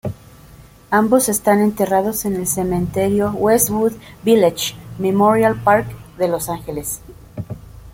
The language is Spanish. Ambos están enterrados en el Cementerio Westwood Village Memorial Park de Los Ángeles.